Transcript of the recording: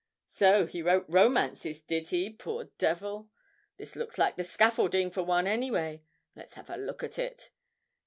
So he wrote romances, did he, poor devil! This looks like the scaffolding for one, anyway; let's have a look at it.